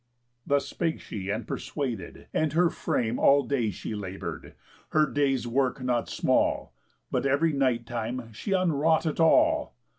Thus spake she, and persuaded; and her frame All day she labour'd, her day's work not small, But ev'ry night time she unwrought it all.